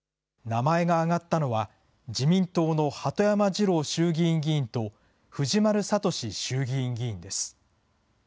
名前が挙がったのは、自民党の鳩山二郎衆議院議員と藤丸敏衆議院議員です。